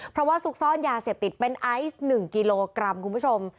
เพราะว่าซุกซ่อนยาเสพติดเป็นไอซ์๑กิโลกรัมคุณผู้ชม